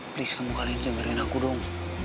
please kamu kali ini jangan berinaku dong